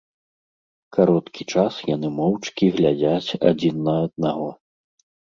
Кароткі час яны моўчкі глядзяць адзін на аднаго.